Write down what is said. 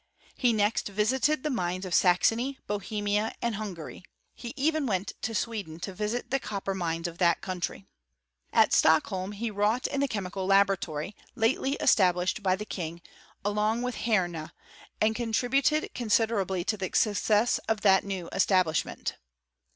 He next visited the mines of Saxony, Bohemia, and Hungary : he even went to Sweden, to visit the cop per mines of that country. At Stockholm he wrought in the chemical laboratory, lately established by the king, along with Hjema, and contributed consider* ably to the success of that new establishment.